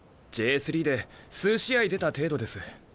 Ｊ３で数試合出た程度です。